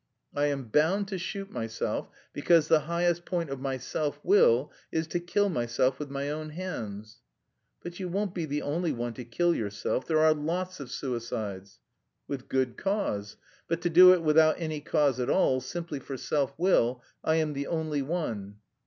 "I am bound to shoot myself because the highest point of my self will is to kill myself with my own hands." "But you won't be the only one to kill yourself; there are lots of suicides." "With good cause. But to do it without any cause at all, simply for self will, I am the only one."